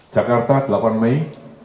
jakarta delapan mei dua ribu tujuh belas